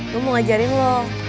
gue mau ngajarin lo